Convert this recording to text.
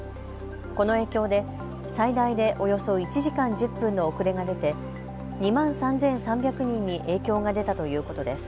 この影響で最大でおよそ１時間１０分の遅れが出て２万３３００人に影響が出たということです。